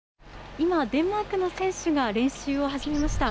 今、デンマークの選手が練習を始めました。